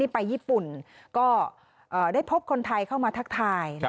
ไปญี่ปุ่นก็ได้พบคนไทยเข้ามาทักทาย